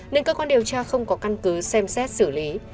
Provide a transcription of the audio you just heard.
nên cơ quan điều tra không có căn cứ xem xét xử lý